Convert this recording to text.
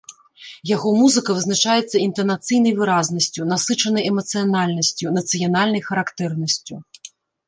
Яго музыка вызначаецца інтанацыйнай выразнасцю, насычанай эмацыянальнасцю, нацыянальнай характэрнасцю.